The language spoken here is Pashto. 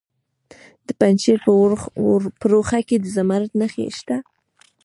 د پنجشیر په روخه کې د زمرد نښې شته.